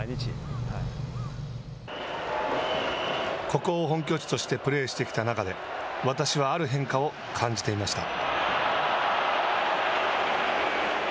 ここを本拠地としてプレーしてきた中で私はある変化を感じていました。